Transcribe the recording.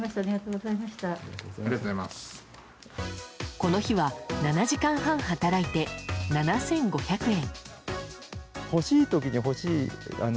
この日は７時間半働いて７５００円。